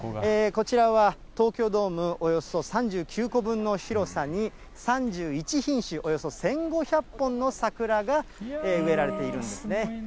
こちらは東京ドームおよそ３９個分の広さに、３１品種、およそ１５００本の桜が植えられているんですね。